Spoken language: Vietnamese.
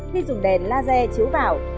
khi dùng đèn laser chiếu vào